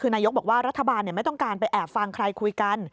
คือนายกบอกว่ารัฐบาลไม่ต้องการไปแอบฟังใครคุยกัน